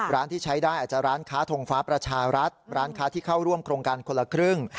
ที่ใช้ได้อาจจะร้านค้าทงฟ้าประชารัฐร้านค้าที่เข้าร่วมโครงการคนละครึ่ง